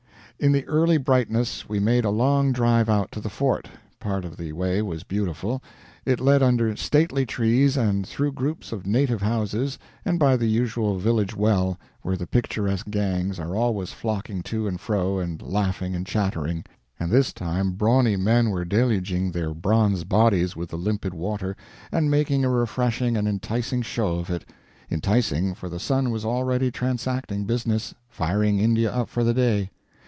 In the early brightness we made a long drive out to the Fort. Part of the way was beautiful. It led under stately trees and through groups of native houses and by the usual village well, where the picturesque gangs are always flocking to and fro and laughing and chattering; and this time brawny men were deluging their bronze bodies with the limpid water, and making a refreshing and enticing show of it; enticing, for the sun was already transacting business, firing India up for the day.